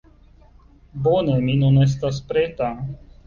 Bone, mi nun estas preta.